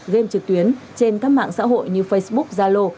game trực tuyến trên các mạng xã hội như facebook zalo